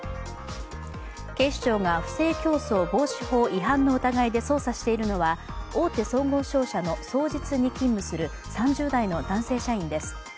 警視庁が不正競争防止法違反の疑いで捜査しているのは、大手総合商社の双日に勤務する３０代の男性社員です。